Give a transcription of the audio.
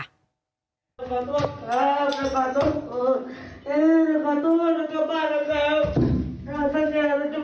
ออทิสติกด้วย